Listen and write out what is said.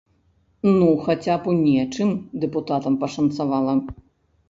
Ну хаця б у нечым дэпутатам пашанцавала!